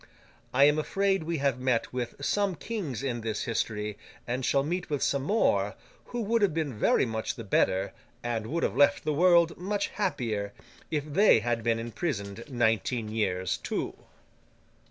I am afraid we have met with some Kings in this history, and shall meet with some more, who would have been very much the better, and would have left the world much happier, if they had been imprisoned nineteen years too.